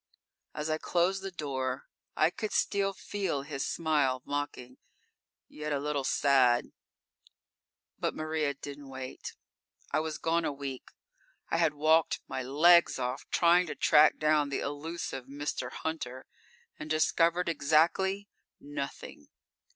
As I closed the door, I could still feel his smile, mocking yet a little sad. But Maria didn't wait. I was gone a week. I had walked my legs off trying to track down the elusive Mister Hunter and discovered exactly nothing.